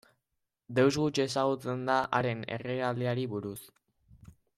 Deus gutxi ezagutzen da haren erregealdiari buruz.